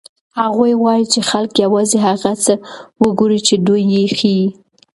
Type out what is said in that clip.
هغوی غواړي چې خلک یوازې هغه څه وګوري چې دوی یې ښيي.